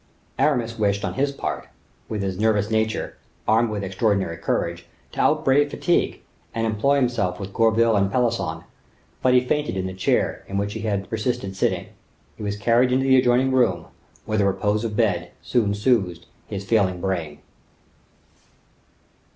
Aramis wished on his part, with his nervous nature, armed with extraordinary courage, to outbrave fatigue, and employ himself with Gourville and Pelisson, but he fainted in the chair in which he had persisted sitting. He was carried into the adjoining room, where the repose of bed soon soothed his failing brain.